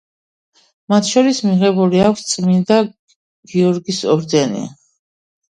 მათ შორის მიღებული აქვს წმინდა გიორგის ორდენი.